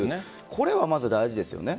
これがまず大事ですよね。